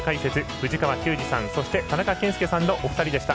藤川球児さん、田中賢介さんのお二人でした。